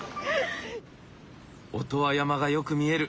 音羽山がよく見える。